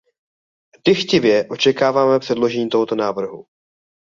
Dychtivě očekáváme předložení tohoto návrhu.